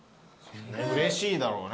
うれしいだろうね。